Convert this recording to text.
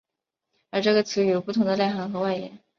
而这个词语有不同的内涵和外延。